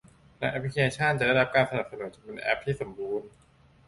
และแอปพลิเคชั่นจะได้รับการสนับสนุนจนเป็นแอปที่สมบูรณ์